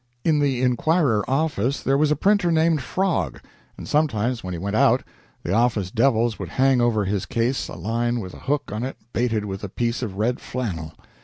In the "Inquirer" office there was a printer named Frog, and sometimes, when he went out, the office "devils" would hang over his case a line with a hook on it baited with a piece of red flannel.